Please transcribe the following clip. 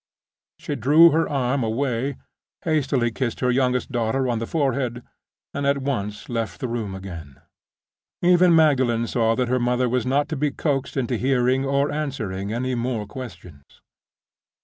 She drew her arm away; hastily kissed her youngest daughter on the forehead; and at once left the room again. Even Magdalen saw that her mother was not to be coaxed into hearing or answering any more questions.